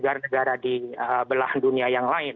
gara gara di belah dunia yang lain